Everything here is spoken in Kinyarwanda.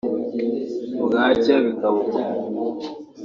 bwacya bikaba uko